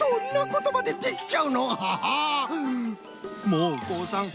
もうこうさん。